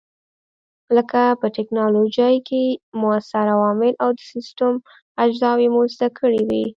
لکه په ټېکنالوجۍ کې موثر عوامل او د سیسټم اجزاوې مو زده کړې وې.